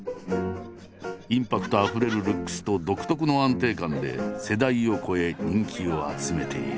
インパクトあふれるルックスと独特の安定感で世代を超え人気を集めている。